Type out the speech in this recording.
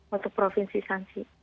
untuk provinsi zansi